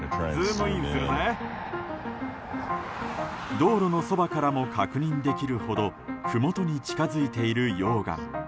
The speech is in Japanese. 道路のそばからも確認できるほどふもとに近づいている溶岩。